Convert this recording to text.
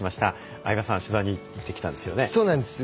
相葉さん取材に行ってきたんですよね？